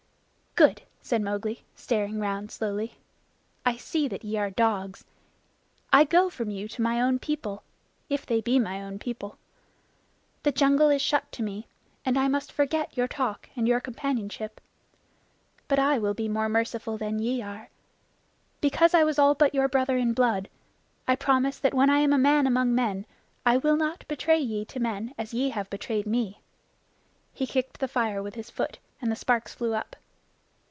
"Good!" said Mowgli, staring round slowly. "I see that ye are dogs. I go from you to my own people if they be my own people. The jungle is shut to me, and I must forget your talk and your companionship. But I will be more merciful than ye are. Because I was all but your brother in blood, I promise that when I am a man among men I will not betray ye to men as ye have betrayed me." He kicked the fire with his foot, and the sparks flew up.